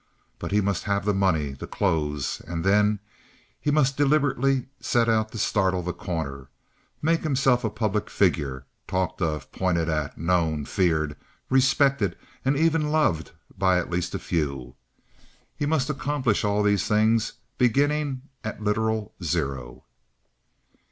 But he must have the money, the clothes, and then he must deliberately set out to startle The Corner, make himself a public figure, talked of, pointed at, known, feared, respected, and even loved by at least a few. He must accomplish all these things beginning at a literal zero.